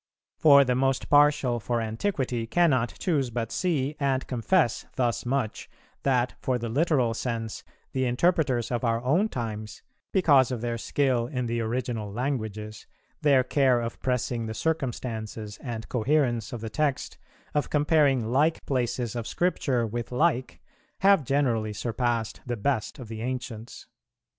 For the most partial for Antiquity cannot choose but see and confess thus much, that for the literal sense, the interpreters of our own times, because of their skill in the original languages, their care of pressing the circumstances and coherence of the text, of comparing like places of Scripture with like, have generally surpassed the best of the ancients."